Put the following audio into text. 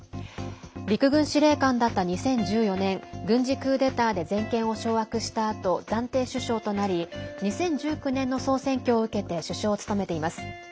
陸軍司令官だった２０１４年軍事クーデターで全権を掌握したあと暫定首相となり２０１９年の総選挙を受けて首相を務めています。